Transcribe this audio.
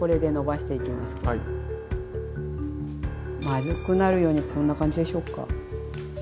丸くなるようにこんな感じでしょうか。